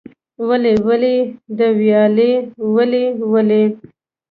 ولي ولې د ویالې ولې ولې؟